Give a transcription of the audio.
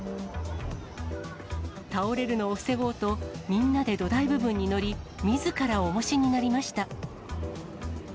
倒れるのを防ごうと、みんなで土台部分に乗り、みずからおもしになりました。